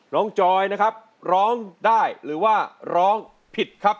จอยนะครับร้องได้หรือว่าร้องผิดครับ